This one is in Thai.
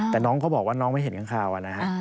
แต่น้องเขาบอกว่าน้องไม่เห็นข้างคาวนะฮะ